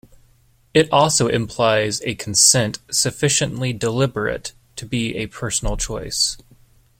It also implies a consent sufficiently deliberate to be a personal choice.